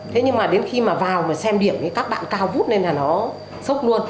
thế nhưng mà đến khi mà vào mà xem điểm thì các bạn cao vút nên là nó sốc luôn